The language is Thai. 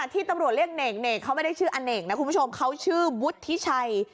ที่ตำรวจเรียกเนกเขาไม่ได้ชื่ออเนกนะคุณผู้ชมเขาชื่อวุฒิชัย